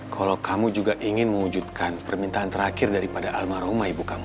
kalau kamu juga ingin mewujudkan permintaan terakhir dari pada alma rumah ibu kamu